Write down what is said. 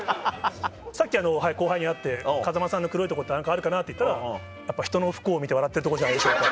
さっき後輩に会って「風間さんの黒いところって何かあるかな？」って言ったら「ひとの不幸を見て笑ってるところじゃないでしょうか」